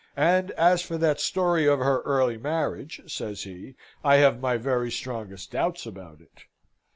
"And as for that story of her early marriage," says he, "I have my very strongest doubts about it."